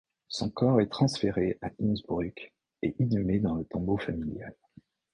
Son corps est transféré à Innsbruck et inhumé dans le tombeau familial.